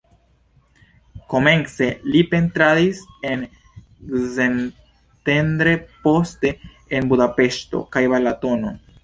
Komence li pentradis en Szentendre, poste en Budapeŝto kaj Balatono.